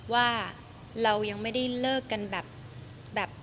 ว่าเรายังไม่ได้เลิกกันแบบ